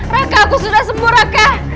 raka aku sudah sembuh raka